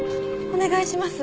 お願いします。